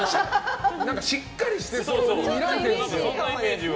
しっかりしてそうって見られてるんですよ。